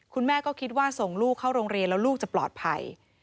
คุณแม่ก็คิดว่าส่งลูกเข้าโรงเรียนแล้วลูกจะปลอดภัย